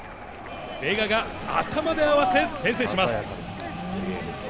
ベガが頭で合わせ、先制します。